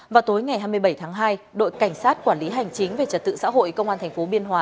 vào tối ngày hai mươi bảy tháng hai đội cảnh sát quản lý hành chính về trật tự xã hội công an tp biên hòa